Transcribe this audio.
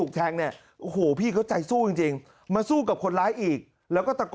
ก็ลองฟังเธอเล่าฮะค่ะ